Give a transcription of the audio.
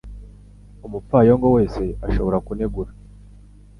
Umupfayongo wese ashobora kunegura